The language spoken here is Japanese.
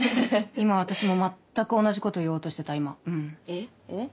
今私も全く同じこと言おうとしてた今うんえっ？えっ？